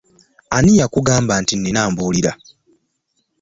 Ani yakugamba nti nnina ambuulira?